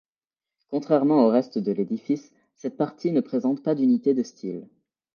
Contrairement au reste de l'édifice, cette partie ne présente pas d'unité de style.